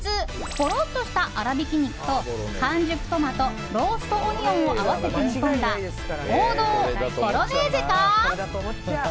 ほろっとした粗びき肉と完熟トマト、ローストオニオンを合わせて煮込んだ王道ボロネーゼか。